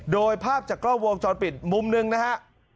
โดยภาพจากกล้องวงจรปิดมุมหนึ่งนะฮะ